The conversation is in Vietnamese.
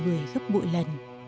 người gấp bội lần